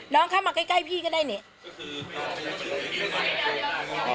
น้องเข้ามาใกล้พี่ก็ได้เนี่ย